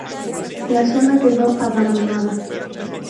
La zona quedó abandonada.